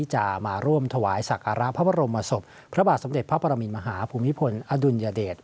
จะมาร่วมถวายศักระพระบรมศพพระบาทสมเด็จพระปรมินมหาภูมิพลอดุลยเดช